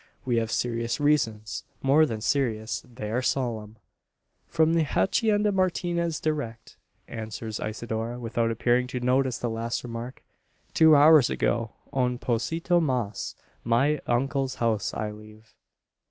We have serious reasons more than serious: they are solemn." "From the Hacienda Martinez direct," answers Isidora, without appearing to notice the last remark. "Two hours ago un pocito mas my uncle's house I leave."